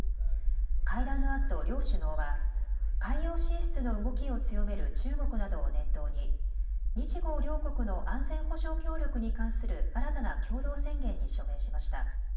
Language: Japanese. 会談のあと両首脳は海洋進出の動きを強める中国などを念頭に日豪両国の安全保障協力に関する新たな共同宣言に署名しました。